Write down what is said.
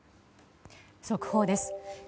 速報です。